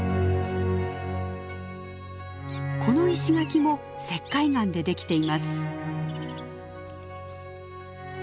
この石垣も石灰岩でできています。